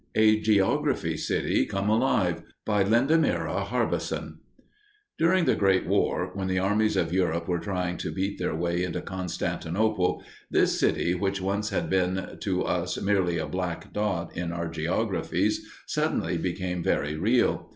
A GEOGRAPHY CITY "COME ALIVE" BY LINDAMIRA HARBESON During the Great War, when the armies of Europe were trying to beat their way into Constantinople, this city, which once had been to us merely a black dot in our geographies, suddenly became very real.